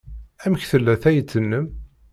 Amek tella tayet-nnem?